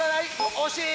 惜しい！